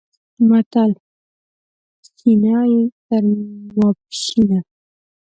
متل، پښینه تر ماپښینه